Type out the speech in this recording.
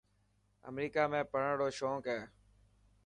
امريڪا ۾ پڙهڻ رو شونيڪ هي.